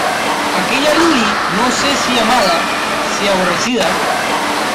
¡ aquella Lilí, no sé si amada , si aborrecida!